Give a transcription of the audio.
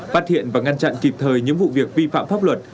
phát hiện và ngăn chặn kịp thời những vụ việc vi phạm pháp luật